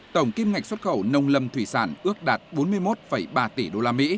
tổng kim ngạch xuất khẩu nông lâm thủy sản ước đạt bốn mươi một ba tỷ usd